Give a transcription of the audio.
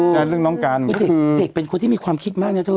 เด็กเป็นคนที่มีความคิดมากเนี่ยเธอ